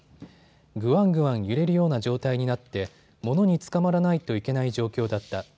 ぐわんぐわん揺れるような状態になって物につかまらないといけない状況だった。